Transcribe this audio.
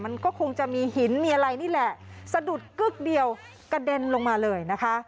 มันก็คงจะมีหินมีอะไรนี่แหละสะดุดกึ๊กเดียวกระเด็นลงมาเลยนะคะ